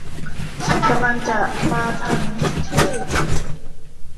ฉันกำลังจะมาถึงที่